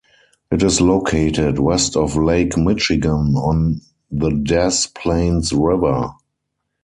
It is located west of Lake Michigan on the Des Plaines River.